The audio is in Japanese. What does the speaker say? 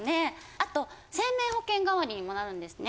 あと生命保険代わりにもなるんですね。